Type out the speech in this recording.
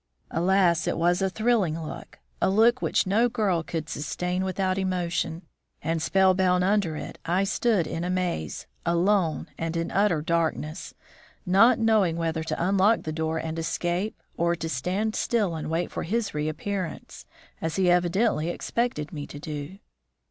Alas! it was a thrilling look a look which no girl could sustain without emotion; and spellbound under it, I stood in a maze, alone and in utter darkness, not knowing whether to unlock the door and escape or to stand still and wait for his reappearance, as he evidently expected me to do.